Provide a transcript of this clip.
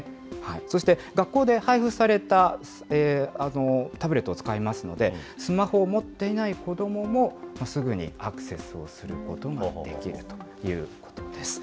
そして、学校で配布されたタブレットを使いますので、スマホを持っていない子どもも、すぐにアクセスすることができるということです。